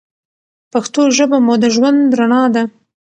پښتو ژبه مو د ژوند رڼا ده.